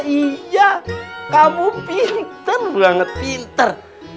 iya kamu pintern banget pinter